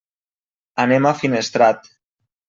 Anem a Finestrat.